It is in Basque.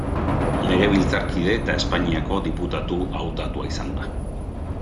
Legebiltzarkide eta Espainiako diputatu hautatua izan da.